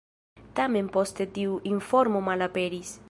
Tamen poste tiu informo malaperis.